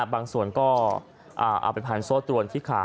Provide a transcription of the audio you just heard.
บางส่วนก็เอาไปพันโซ่ตรวนที่ขา